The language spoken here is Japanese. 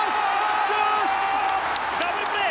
ダブルプレー！